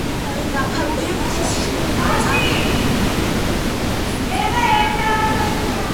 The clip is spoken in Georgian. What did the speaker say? დაფარულია მთის შავმიწა ნიადაგითა და სტეპის მცენარეულობით.